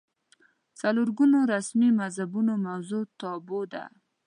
د څلور ګونو رسمي مذهبونو موضوع تابو ده